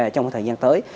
trong thời gian tới